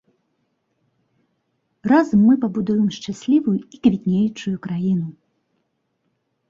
Разам мы пабудуем шчаслівую і квітнеючую краіну!